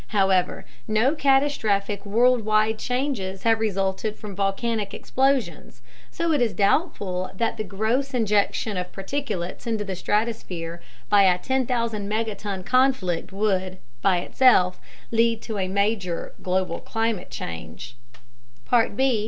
However, no catastrophic worldwide changes have resulted from volcanic explosions, so it is doubtful that the gross injection of particulates into the stratosphere by a 10,000 megaton conflict would, by itself, lead to major global climate changes. B.